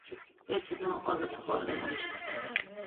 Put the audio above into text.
ერთი ძმა მყავდა, საყვარელი, მორჩილი